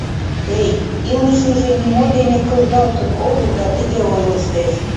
— Эй, илышыже нимо дене кылдалтын огыл да тыге ойлыштеш.